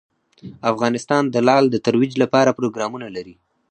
افغانستان د لعل د ترویج لپاره پروګرامونه لري.